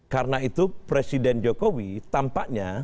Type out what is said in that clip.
karena itu presiden jokowi tampaknya